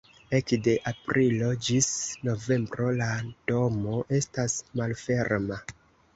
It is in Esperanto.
Ekde aprilo ĝis novembro la domo estas malferma.